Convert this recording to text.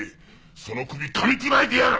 その首噛み砕いてやる！